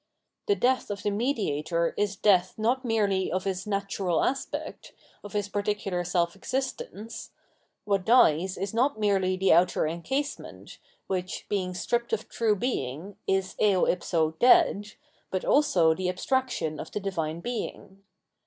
The death of the mediator is death not merely of his natural aspect, of his particular self existence : what dies is not merely the outer encasement, which, being stripped of true Being, is eo ipso dead, but also the abstraction of the Divine Being.